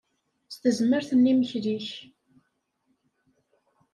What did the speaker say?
S tezmert n yimekli-ik.